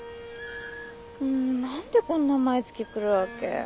何でこんな毎月来るわけ？